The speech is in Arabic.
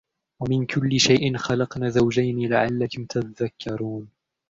وَمِنْ كُلِّ شَيْءٍ خَلَقْنَا زَوْجَيْنِ لَعَلَّكُمْ تَذَكَّرُونَ